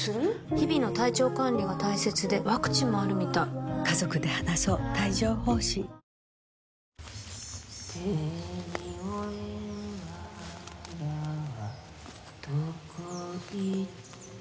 日々の体調管理が大切でワクチンもあるみたい「手に負えん童はどこいった」